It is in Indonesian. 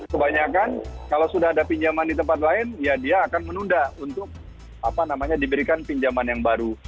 kebanyakan kalau sudah ada pinjaman di tempat lain ya dia akan menunda untuk diberikan pinjaman yang baru